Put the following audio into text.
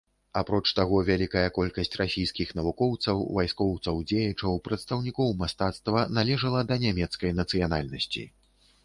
Апроч таго, вялікая колькасць расійскіх навукоўцаў, вайскоўцаў дзеячаў, прадстаўнікоў мастацтва належала да нямецкай нацыянальнасці.